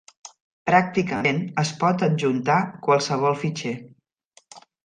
Pràcticament es pot adjuntar qualsevol fitxer.